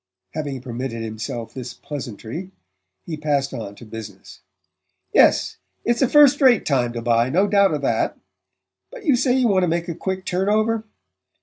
Having permitted himself this pleasantry he passed on to business. "Yes it's a first rate time to buy: no doubt of that. But you say you want to make a quick turn over?